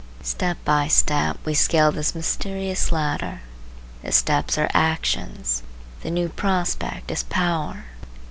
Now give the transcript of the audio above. Step by step we scale this mysterious ladder: the steps are actions; the new prospect is power.